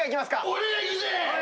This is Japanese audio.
俺がいくぜ！